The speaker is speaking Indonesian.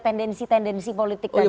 tendensi tendensi politik tadi